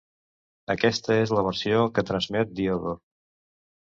Aquesta és la versió que transmet Diodor.